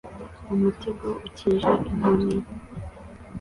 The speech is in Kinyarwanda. umutego ukinisha inkoni